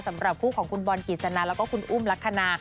สำหรับคู่ของคุณบอลกิจสนาแล้วก็คุณอุ้มลักษณะ